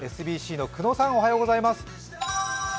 ＳＢＣの久野さん、おはようございます。